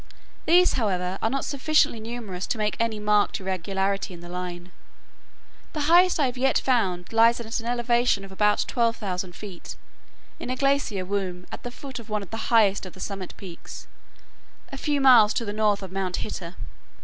These, however, are not sufficiently numerous to make any marked irregularity in the line. The highest I have yet found lies at an elevation of about 12,000 feet, in a glacier womb, at the foot of one of the highest of the summit peaks, a few miles to the north of Mount Hitter.